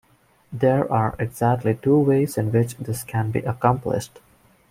There are exactly two ways in which this can be accomplished.